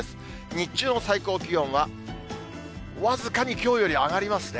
日中の最高気温は僅かにきょうより上がりますね。